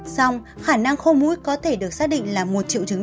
xong khả năng khô mũi có thể được xác định là một triệu chứng